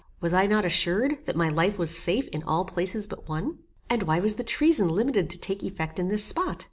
was I not assured, that my life was safe in all places but one? And why was the treason limited to take effect in this spot?